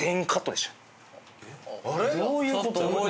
・どういうこと？